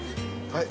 はい。